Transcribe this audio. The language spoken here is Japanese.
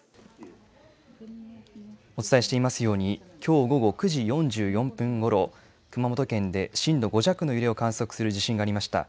お伝えしていますように、きょう午後９時４４分ごろ、熊本県で震度５弱の揺れを観測する地震がありました。